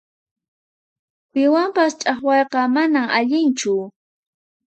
Piwanpas ch'aqwayqa manan allinchu.